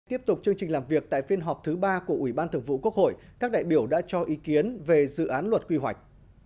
tiếp tục chương trình làm việc tại phiên họp thứ ba của ủy ban thường vụ quốc hội các đại biểu đã cho ý kiến về dự án luật quy hoạch